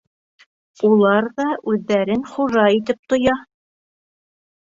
Улар ҙа үҙҙәрен хужа итеп тоя.